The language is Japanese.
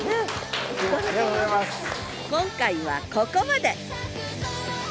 今回はここまで！